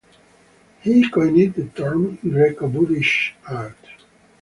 He coined the term "Greco-Buddhist art".